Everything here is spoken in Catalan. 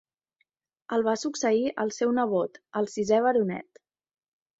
El va succeir el seu nebot, el sisè Baronet.